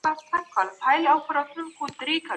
د شخصیتونو په اړه باید حسابونه سم سي.